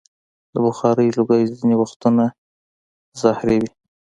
د بخارۍ لوګی ځینې وختونه زهري وي.